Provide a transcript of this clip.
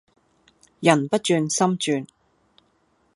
人不轉心轉